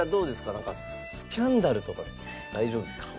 なんかスキャンダルとか大丈夫ですか？